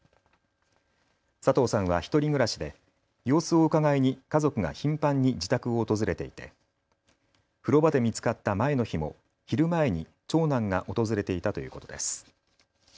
佐藤さんは１人暮らしで様子をうかがいに家族が頻繁に自宅を訪れていて風呂場で見つかった前の日も昼前に長男が訪れていたということです。